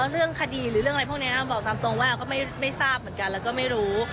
เรื่องคดีหรือเรื่องอะไรพวกนี้บอกตามตรงว่าก็ไม่ทราบเหมือนกันแล้วก็ไม่รู้